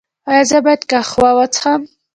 ایا زه باید قهوه وڅښم؟